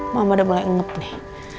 mama udah mulai ngep nih